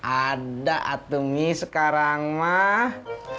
ada atungi sekarang mah